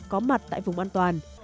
có mặt tại vùng an toàn